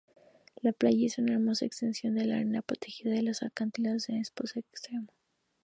La playa es una hermosa extensión de arena protegida por acantilados en cada extremo.